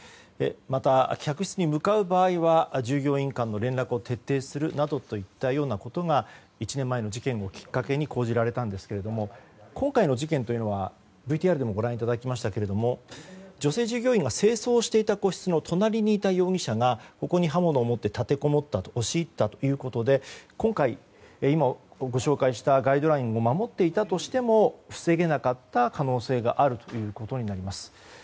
また、客室に向かう場合は従業員間の連絡を徹底するなどといったようなことが１年前の事件を口実にきっかけに講じられたんですが今回の事件というのはＶＴＲでもご覧いただきましたが女性従業員が清掃をしていた個室の隣にいた容疑者が刃物を持って押し入ったということで今回、今ご紹介したガイドラインを守っていたとしても防げなかった可能性があるということになります。